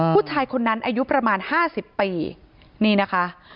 ผู้ชายคนนั้นอายุประมาณ๕๐ปีนี่นะคะ